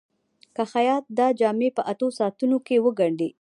که خیاط دا جامې په اتو ساعتونو کې وګنډي.